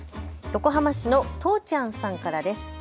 横浜市のとちゃんさんからです。